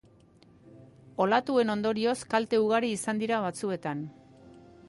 Olatuen ondorioz kalte ugari izan dira batzuetan.